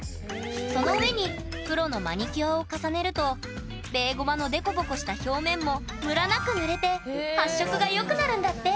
その上に黒のマニキュアを重ねるとベーゴマのデコボコした表面もムラなく塗れて発色が良くなるんだって。